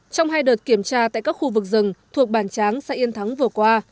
trong hai đợt kiểm tra tại các khu vực rừng thuộc bàn tráng sài yên thắng vừa qua